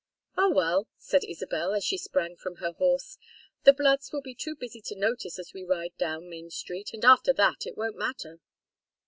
"Oh, well," said Isabel, as she sprang from her horse. "The bloods will be too busy to notice as we ride down Main Street, and after that it won't matter."